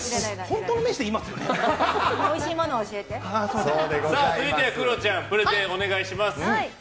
続いてはクロちゃんプレゼンをお願いします。